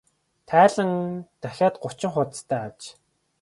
Тайлан нь дахиад гучин хуудастай аж.